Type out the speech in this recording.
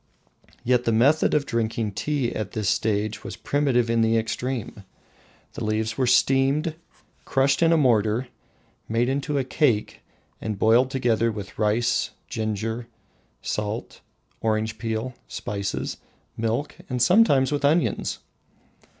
Yet the method of drinking tea at this stage was primitive in the extreme. The leaves were steamed, crushed in a mortar, made into a cake, and boiled together with rice, ginger, salt, orange peel, spices, milk, and sometimes with onions!